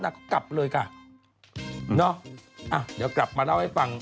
กลับเลยค่ะเนอะอ่ะเดี๋ยวกลับมาเล่าให้ฟัง